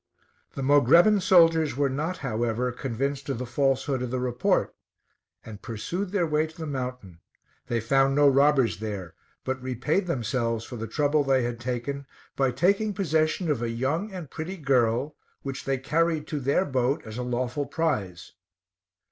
The Mogrebin soldiers were not, however, convinced of the falsehood of the report, and pursued their way to the mountain; they found no robbers there, but repaid themselves for the trouble they had taken, by taking possession of a young and pretty girl, which they carried to their boat as a lawful prize.